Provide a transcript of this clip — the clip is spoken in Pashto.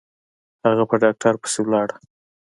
هغه په ډاکتر پسې ولاړه.